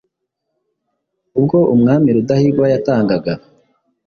ubwo Umwami Rudahigwa yatangaga.